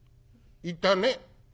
「いたね」。